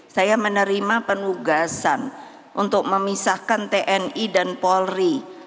saya menerima penugasan untuk memisahkan tni dan polri